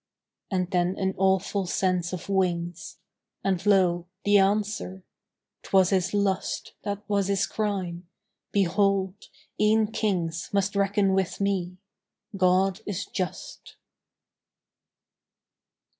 And then an awful sense of wings: And, lo! the answer "'Twas his lust That was his crime. Behold! e'en kings Must reckon with Me. God is just."